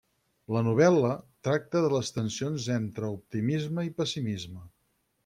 La novel·la tracte de les tensions entre optimisme i pessimisme.